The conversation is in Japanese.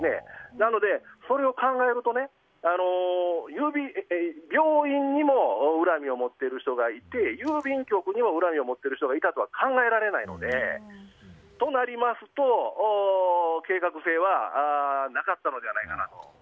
なので、それを考えると病院にも恨みを持っている人がいて郵便局にも恨みを持っている人がいたとは考えられないのでとなりますと、計画性はなかったのではないかなと。